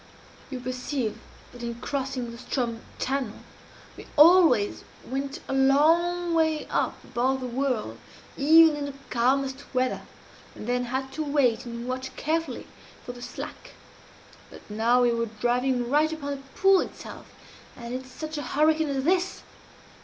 "You perceive that in crossing the Ström channel, we always went a long way up above the whirl, even in the calmest weather, and then had to wait and watch carefully for the slack but now we were driving right upon the pool itself, and in such a hurricane as this!